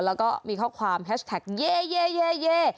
แล้วก็มีข้อความแฮชแท็กเย่เย่เย่เย่